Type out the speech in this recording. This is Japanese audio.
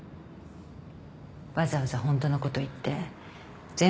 わざわざホントのこと言って全部ぶち壊して。